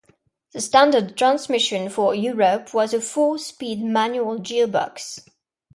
The standard transmission for Europe was a four-speed manual gearbox.